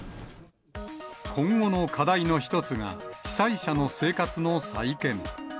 今後の課題の一つが、被災者の生活の再建。